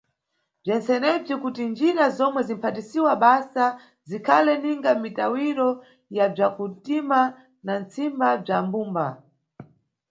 Bzentsenebzi kuti njira zomwe zimʼphatisidwa basa zikhale ninga mitawiro ya bzakuntima na ntsimba bza mbumba.